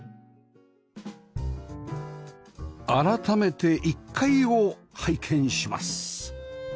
改めて１階を拝見します